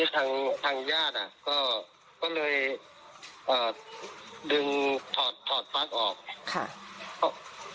ทางทางญาติอ่ะก็เลยเอ่อดึงถอดถอดฟักออกค่ะ